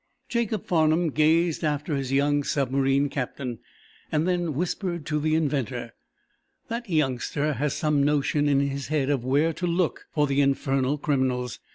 Jacob Farnum gazed after his young submarine captain, then whispered to the inventor: "That youngster has some notion in his head of where to look for the infernal criminals.